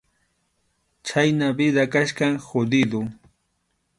Chhayna vida kachkan jodido.